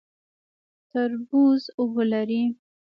تربوز اوبه لري